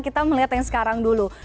kita melihat yang sekarang dulu